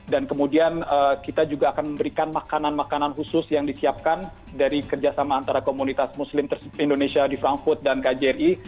dan kemudian kita juga akan memberikan makanan makanan khusus yang disiapkan dari kerjasama antara komunitas muslim indonesia di frankfurt dan kjri